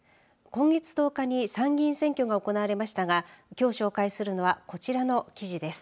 今月１０日に参議院選挙が行われましたがきょう紹介するのはこちらの記事です。